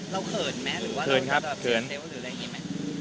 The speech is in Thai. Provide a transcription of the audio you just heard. เราเขินไหม